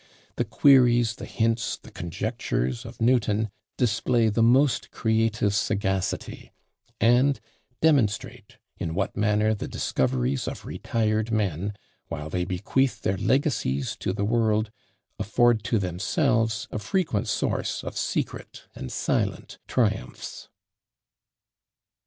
The queries, the hints, the conjectures of Newton, display the most creative sagacity; and demonstrate in what manner the discoveries of retired men, while they bequeath their legacies to the world, afford to themselves a frequent source of secret and silent triumphs.